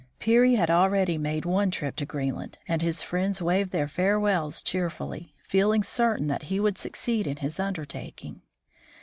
Peary had already made one trip to Green land, and his friends waved their farewells cheerfully, feel ing certain that he would succeed in his undertaking.